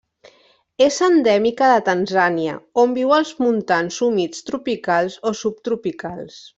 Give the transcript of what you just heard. És endèmica de Tanzània, on viu als montans humits tropicals o subtropicals.